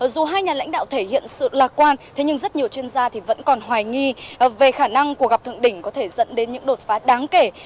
dù hai nhà lãnh đạo thể hiện sự lạc quan thế nhưng rất nhiều chuyên gia vẫn còn hoài nghi về khả năng của gặp thượng đỉnh có thể dẫn đến những đột phá đáng kể